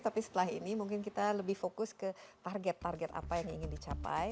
tapi setelah ini mungkin kita lebih fokus ke target target apa yang ingin dicapai